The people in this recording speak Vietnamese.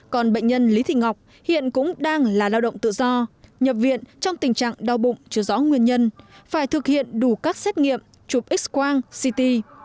còn bệnh nhân lý thị ngọc hiện cũng đang là lao động tự do nhập viện trong tình trạng đau bụng chưa rõ nguyên nhân phải thực hiện đủ các xét nghiệm chụp x quang city